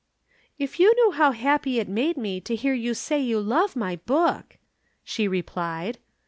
"If you knew how happy it made me to hear you say you love my book!" she replied.